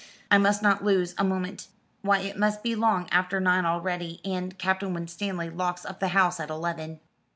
I must not lose a moment. Why it must be long after nine already, and Captain Winstanley locks up the house at eleven."